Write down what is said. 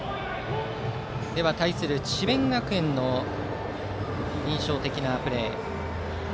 対する智弁学園の印象的なプレーです。